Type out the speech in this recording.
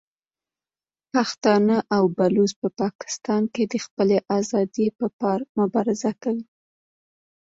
پښتانه او بلوڅ په پاکستان کې د خپلې ازادۍ په پار مبارزه کوي.